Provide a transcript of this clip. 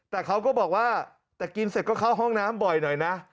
แต่เขาก็บอกว่าแต่กินเสร็จก็เข้าห้องน้ำบ่อยหน่อยนะ